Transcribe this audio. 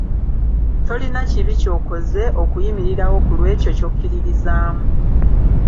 Tolina kibi ky’okoze okuyimirirawo ku lw’ekyo ky’okkiririzaamu.